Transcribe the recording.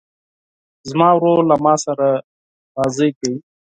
زما ورور له ما سره لوبې کوي.